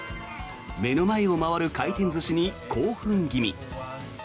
目の前を回る回転寿司に興奮気味。